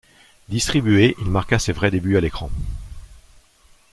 Distribué, il marqua ses vrais débuts à l’écran.